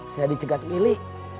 saya dicegat wili